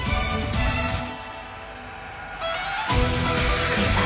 「救いたい」